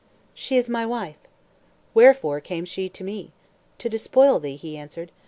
"She is my wife." "Wherefore came she to me?" "To despoil thee," he answered.